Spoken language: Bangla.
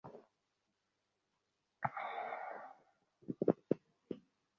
আসলে, সে উৎপীড়ন ঘটাচ্ছে।